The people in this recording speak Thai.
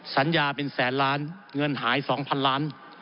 สัญญาเป็นแสนล้านเงินหาย๒๐๐๐ล้าน